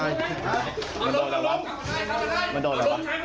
เย็น